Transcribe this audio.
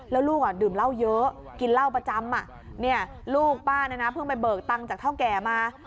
แล้วลูกดื่มเหล้าเยอะกินเหล้าประจำลูกป้าเนี่ยนะเพิ่งไปเบิกตังค์จากเท่าแก่มา